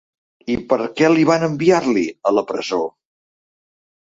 I per què li van enviar-li, a la presó?